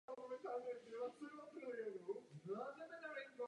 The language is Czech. Dovolte mi zdůraznit zvláště tři záležitosti.